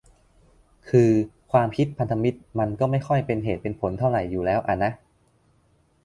คือ ความคิดพันธมิตรมันก็ไม่ค่อยเป็นเหตุเป็นผลเท่าไหร่อยู่แล้วอ่ะนะ